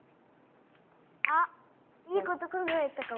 あっいいことかんがえたかも。